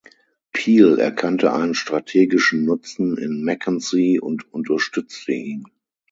Peel erkannte einen strategischen Nutzen in Mackenzie und unterstützte ihn.